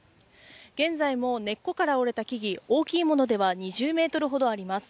現在も根っこから折れた木々、大きいものでは２０ｍほどあります。